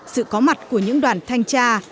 sự có mặt của những đoàn thanh tra